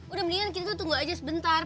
udah mendingan kita tunggu aja sebentar